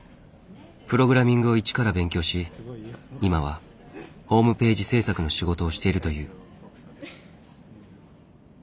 プログラミングを一から勉強し今はホームページ制作の仕事をしているという。